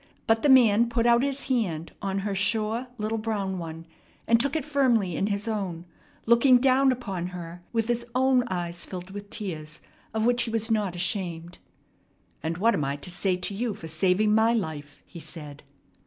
But the man put out his hand on her sure little brown one, and took it firmly in his own, looking down upon her with his own eyes filled with tears of which he was not ashamed. "And what am I to say to you for saving my life?" he said.